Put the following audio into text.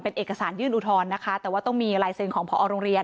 เป็นเอกสารยื่นอุทธรณ์นะคะแต่ว่าต้องมีลายเซ็นต์ของพอโรงเรียน